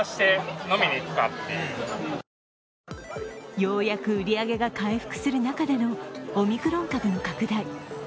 ようやく売り上げが回復する中でのオミクロン株の拡大。